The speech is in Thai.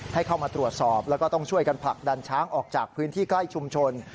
ให้เข้ามาตรวจสอบแล้วก็ต้องช่วยกันผลักดันช้างออกจากพื้นที่ใกล้ชุมชน